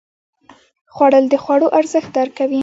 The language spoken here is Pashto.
خوړل د خوړو ارزښت درک کوي